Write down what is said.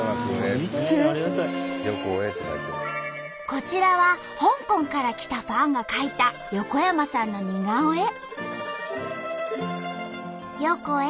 こちらは香港から来たファンが描いた横山さんの似顔絵。